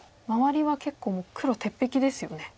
周りは結構もう黒鉄壁ですよね。